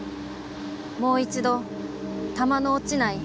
『もう一度弾の落ちない